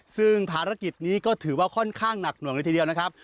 ซึ่งภารกิจนี้ก็ถือว่าค่อนข้างหนักหน่วงเลยทีเดียวนะครับ